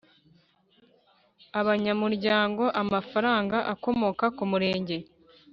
abanyamuryango amafaranga akomoka kumurenge